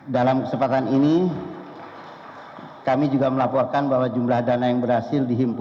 dalam kesempatan ini kami juga melaporkan bahwa jumlah dana yang berhasil dihimpun